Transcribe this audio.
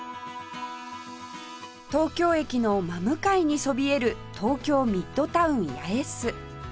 東京駅の真向かいにそびえる東京ミッドタウン八重洲